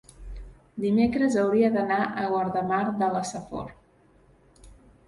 Dimecres hauria d'anar a Guardamar de la Safor.